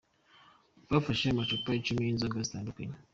Bafashe amacupa icumi y'inzoga zitandukanye.